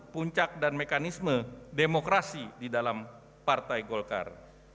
puncak dan mekanisme demokrasi di dalam partai golkar